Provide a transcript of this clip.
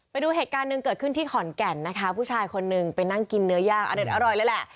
ไปดูเหตุการณ์หนึ่งเกิดขึ้นที่ขอนแก่นนะคะผู้ชายคนนึงไปนั่งกินเนื้อย่างอเด็ดอร่อยเลยแหละ